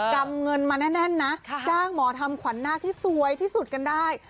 ำเงินมาแน่นนะจ้างหมอทำขวัญนาคที่สวยที่สุดกันได้